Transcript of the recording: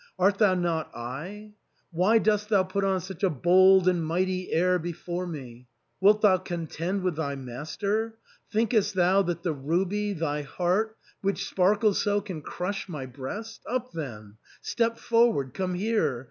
Art thou not I ? Why dost thou put on such a bold and mighty air before me ? Wilt thou contend with thy master ? Thinkest thou that the ruby, thy heart, which sparkles so, can crush my breast ? Up then — step forward — come here